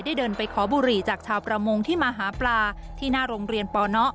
เดินไปขอบุหรี่จากชาวประมงที่มาหาปลาที่หน้าโรงเรียนปน